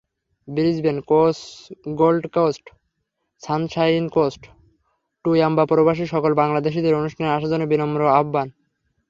ব্রিজবেন, গোল্ডকোস্ট, সানশাইনকোস্ট, টুয়াম্বাপ্রবাসী সকল বাংলাদেশিদের অনুষ্ঠানে আসার জন্য বিনম্র আহবান।